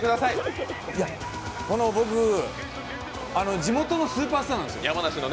地元のスーパースターなんです。